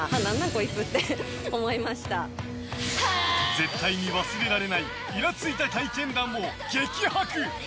絶対に忘れられないイラついた体験談を激白！